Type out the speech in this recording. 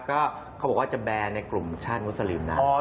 ก็เขาบอกว่าจะแบนในกลุ่มชาติมุสลิมนะ